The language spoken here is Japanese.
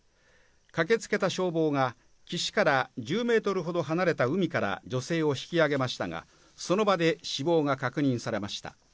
駆け付けた消防が岸から１０ｍほど離れた海から女性を引き上げましたが、その場で死亡が確認されました。